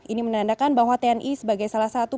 ini menandakan bahwa tni sebagai salah satu